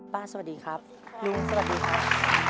สวัสดีครับลุงสวัสดีครับ